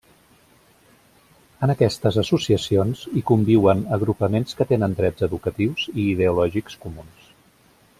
En aquestes associacions, hi conviuen agrupaments que tenen trets educatius i ideològics comuns.